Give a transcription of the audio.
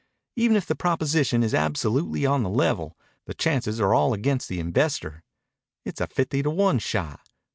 "Even if the proposition is absolutely on the level, the chances are all against the investor. It's a fifty to one shot.